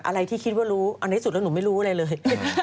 อะไรที่คิดว่ารู้ณสุดแล้วหนูไม่รู้อะไรว่าเลย